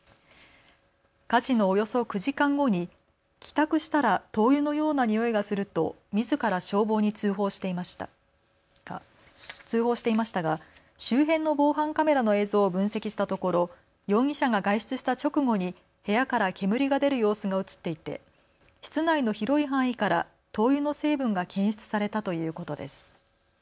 火事のおよそ９時間後に帰宅したら灯油のようなにおいがするとみずから消防に通報していましたが周辺の防犯カメラの映像を分析したところ容疑者が外出した直後に部屋から煙が出る様子が写っていて室内の広い範囲から灯油の成分が検出されたということです。